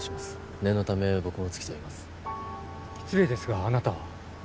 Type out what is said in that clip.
念のため僕も付き添います失礼ですがあなたは？